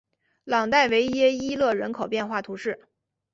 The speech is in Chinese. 朗代维耶伊勒人口变化图示